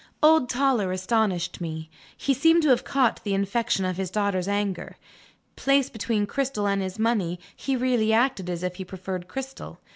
Old Toller astonished me. He seemed to have caught the infection of his daughter's anger. Placed between Cristel and his money, he really acted as if he preferred Cristel.